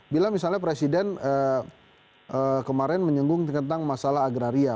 bila misalnya presiden kemarin menyinggung tentang masalah agraria